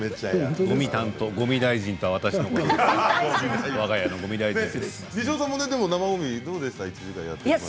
ごみ担当、ごみ大臣とはわが家では私のことです。